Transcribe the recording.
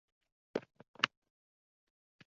O’zini hayotda arzirli o’rniga ega emasdek hisoblab